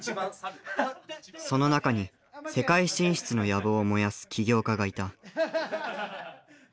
その中に世界進出の野望を燃やす起業家がいた。